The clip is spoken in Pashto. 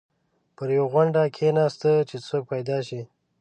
پر یوې غونډۍ کېناسته چې څوک پیدا شي.